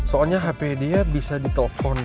soalnya hp dia bisa ditelepon